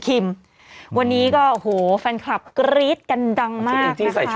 คิมวันนี้ก็โอ้โหแฟนคลับกรี๊ดกันดังมากนะคะ